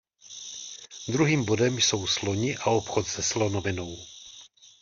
Druhým bodem jsou sloni a obchod se slonovinou.